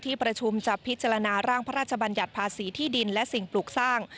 ประชุมจะพิจารณาร่างพระราชบัญญัติภาษีที่ดินและสิ่งปลูกสร้าง